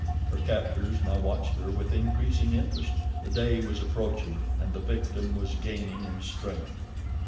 Her captors now watched her with increasing interest. The day was approaching, and the victim was gaining in strength.